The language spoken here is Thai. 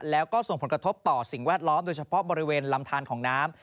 แล้วก็ส่งผลกระทบต่อสิ่งแวดล้อมโดยเฉพาะบริเวณลำทานของน้ำ